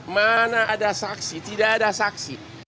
mana ada saksi tidak ada saksi